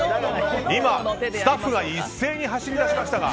今、スタッフが一斉に走り出しましたが。